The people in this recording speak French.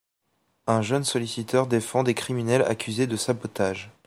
Un jeune solliciteur défends des criminels accusés de sabotage.